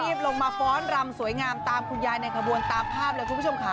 ลงมาฟ้อนรำสวยงามตามคุณยายในขบวนตามภาพเลยคุณผู้ชมค่ะ